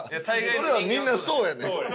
それはみんなそうやねん。